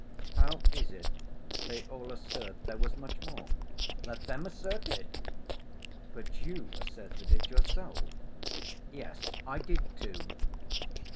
"How is it they all assert there was much more?" "Let them assert it." "But you asserted it yourself." "Yes, I did, too."